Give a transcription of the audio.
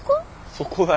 そこだよ。